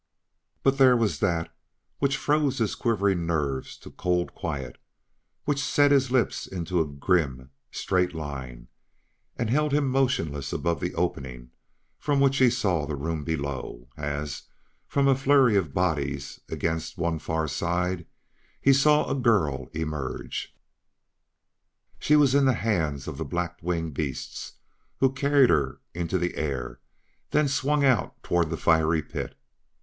But there was that which froze his quivering nerves to cold quiet, which set his lips into a grim, straight line and held him motionless above the opening from which he saw the room below as, from a flurry of bodies against one far side, he saw a girl emerge. She was in the hands of the black winged beasts who carried her into the air then swung out toward the fiery pit.